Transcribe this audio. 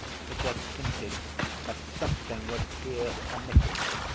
It was hinted that something was here omitted.